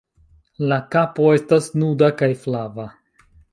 La kapo estas nuda kaj flava.